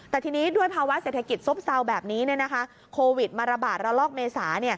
แต่ทีนี้ด้วยภาวะเศรษฐกิจซบเซาแบบนี้โควิดมาระบาดระลอกเมษา